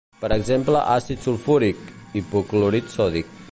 Per exemple àcid sulfúric, hipoclorit sòdic.